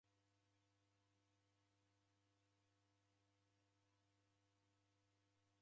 Kila ilagho jidimikana kwa bidii.